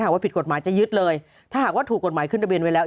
ว่าผิดกฎหมายจะยึดเลยถ้าหากว่าถูกกฎหมายขึ้นทะเบียนไว้แล้ว